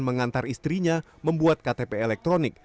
mengantar istrinya membuat ktp elektronik